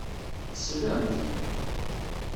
Teslamt.